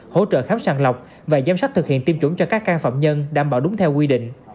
hỗ trợ khám sàng lọc và giám sát thực hiện tiêm chủng cho các can phạm nhân đảm bảo đúng theo quy định